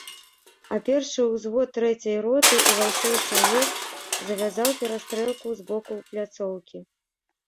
А першы ўзвод трэцяй роты, увайшоўшы ў лес, завязаў перастрэлку з боку пляцоўкі.